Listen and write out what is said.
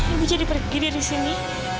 ibu jadi pergi dari sini